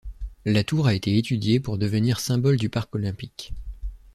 La tour a été étudiée pour devenir symbole du Parc olympique.